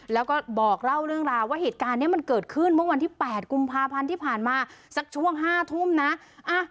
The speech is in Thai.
แล้วก็บอกเล่าเรื่องราวว่าเหตุการณ์นี้มันเกิดขึ้นเมื่อวันที่๘กุมภาพันธ์ที่ผ่านมาสักช่วง๕ทุ่มนะ